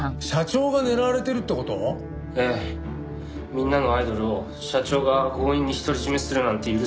みんなのアイドルを社長が強引に独り占めするなんて許せないです。